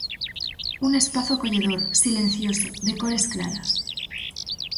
Un espazo acolledor, silencioso, de cores claras.